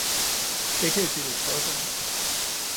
Det kan i bilde tosser ind